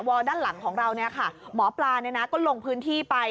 วอลด้านหลังของเราเนี้ยค่ะหมอปลาเนี้ยนะก็ลงพื้นที่ไป